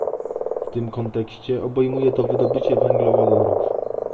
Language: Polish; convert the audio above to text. W tym kontekście obejmuje to wydobycie węglowodorów